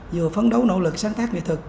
vừa phấn đấu nỗ lực sáng tác nghệ thực